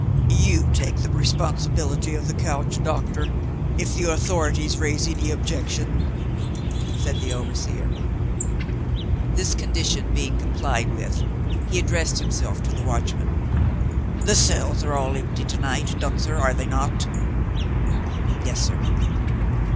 "You take the responsibility of the couch, doctor, if the authorities raise any objection?" said the overseer. This condition being complied with, he addressed himself to the watchman. "The cells are all empty to night, Duntzer, are they not?" "Yes, sir."